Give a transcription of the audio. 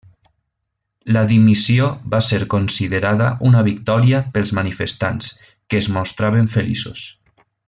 La dimissió va ser considerada una victòria pels manifestants, que es mostraven feliços.